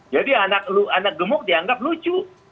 jadi anak gemuk dianggap lucu